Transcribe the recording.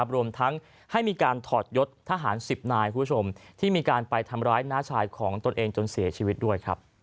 รวมทั้งให้มีการถอดยศทหาร๑๐นายคุณผู้ชมที่มีการไปทำร้ายน้าชายของตนเองจนเสียชีวิตด้วย